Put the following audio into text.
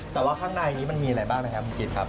แต่ว่าข้างในนี้มันมีอะไรบ้างนะครับคุณกิจครับ